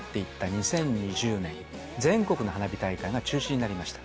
２０２０年、全国の花火大会が中止になりました。